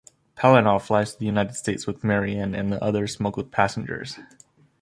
Palinov flies to the United States with Marianne and the other smuggled passengers.